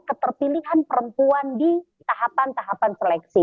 keterpilihan perempuan di tahapan tahapan seleksi